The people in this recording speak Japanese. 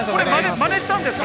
まねしたんですか？